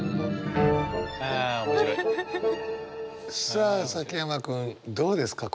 さあ崎山君どうですか？